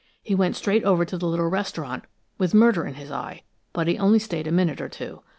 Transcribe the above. He went straight over to the little restaurant, with murder in his eye, but he only stayed a minute or two.